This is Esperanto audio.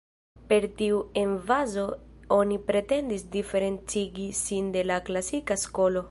Per tiu emfazo oni pretendis diferencigi sin de la klasika skolo.